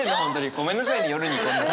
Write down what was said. ごめんなさいね夜に。